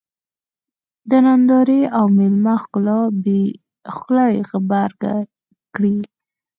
د نندارې او مېلمه ښکلا یې غبرګه کړې.